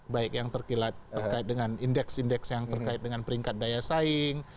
baik yang terkait dengan indeks indeks yang terkait dengan peringkat daya saing